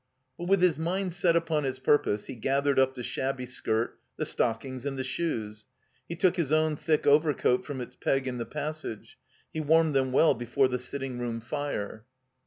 But with his mind set upon its purpose he gathered up the shabby skirt, the stoddngs, and the shoes, he took his own thick overcoat from its peg in the passage; he warmed them well before the sitting room fire.